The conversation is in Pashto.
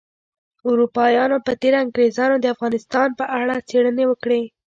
اروپایانو په تیره انګریزانو د افغانستان په اړه څیړنې وکړې